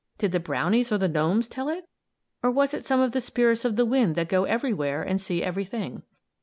Did the brownies or the gnomes tell it; or was it some of the spirits of the wind that go everywhere and see everything?